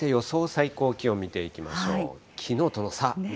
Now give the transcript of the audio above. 最高気温、見ていきましょう。